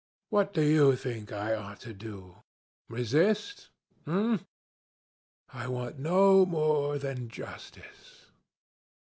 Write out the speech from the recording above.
What do you think I ought to do resist? Eh? I want no more than justice.'